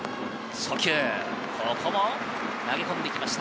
初球、ここも投げ込んできました。